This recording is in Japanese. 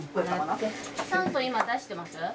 酸素今出してます？